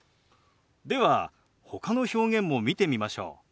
ではほかの表現も見てみましょう。